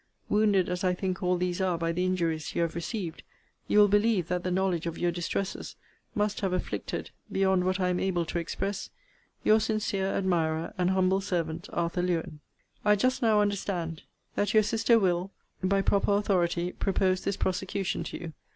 Wounded as I think all these are by the injuries you have received, you will believe that the knowledge of your distresses must have afflicted, beyond what I am able to express, Your sincere admirer, and humble servant, ARTHUR LEWEN. I just now understand that your sister will, by proper authority, propose this prosecution to you.